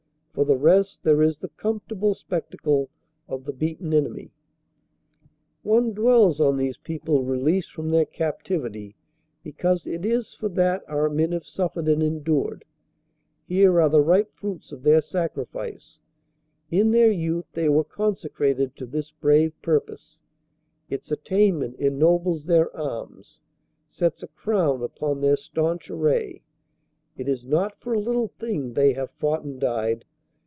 For the rest, there is the comfortable spectacle of the beaten enemy. One dwells on these people released from their captivity because it is for that our men have suffered and endured; here are the ripe fruits of their sacrifice; in their youth they were consecrated to this brave purpose; its attainment ennobles their arms, sets a crown upon their staunch array. It is not for a little thing they have fought and died.